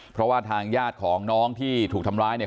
เพราะว่าทางญาติของน้องที่ถูกทำร้ายเนี่ย